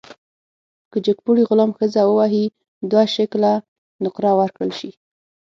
که جګپوړي غلام ښځه ووهي، دوه شِکِله نقره ورکړل شي.